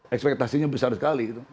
ekspektasinya besar sekali